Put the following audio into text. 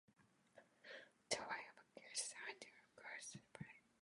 They were even accused of standing too close to the Duvaliers.